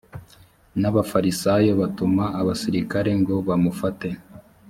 n abafarisayo batuma abasirikare ngo bamufate